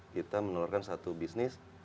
kita menelurkan satu bisnis